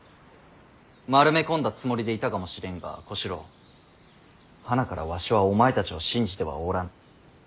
丸め込んだつもりでいたかもしれんが小四郎はなからわしはお前たちを信じてはおらぬ。